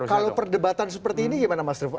kalau perdebatan seperti ini gimana mas revo